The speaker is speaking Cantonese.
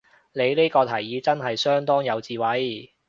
你呢個提議真係相當有智慧